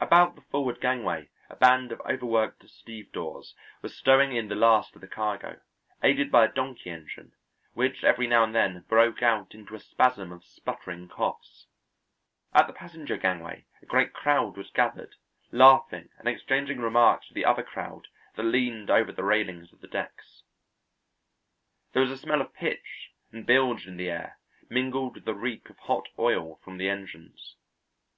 About the forward gangway a band of overworked stevedores were stowing in the last of the cargo, aided by a donkey engine, which every now and then broke out into a spasm of sputtering coughs. At the passenger gangway a great crowd was gathered, laughing and exchanging remarks with the other crowd that leaned over the railings of the decks. There was a smell of pitch and bilge in the air mingled with the reek of hot oil from the engines.